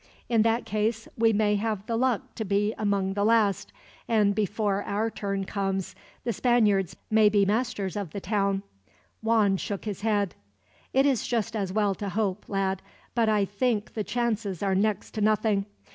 In that case, we may have the luck to be among the last; and before our turn comes, the Spaniards may be masters of the town." Juan shook his head. "It is just as well to hope, lad; but I think the chances are next to nothing.